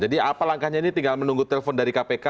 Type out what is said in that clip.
jadi apa langkahnya ini tinggal menunggu telpon dari kpk